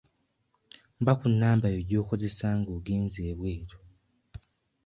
Mpa ku namba yo gy'okozesa nga ogenze ebweru.